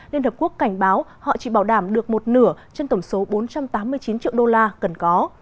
liên hợp quốc cảnh báo họ chỉ bảo đảm được một nửa trên tổng số bốn trăm tám mươi chín triệu đô la cần có